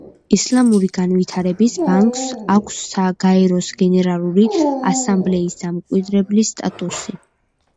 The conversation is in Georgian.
ისლამური განვითარების ბანკს აქვს გაეროს გენერალური ასამბლეის დამკვირვებლის სტატუსი.